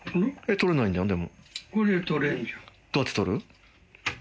どうやって取る？